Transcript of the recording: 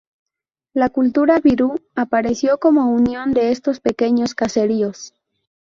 La cultura Virú apareció como unión de estos pequeños caseríos.